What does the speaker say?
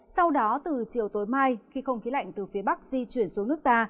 sau đó từ chiều tối mai khi không khí lạnh từ phía bắc di chuyển xuống nước ta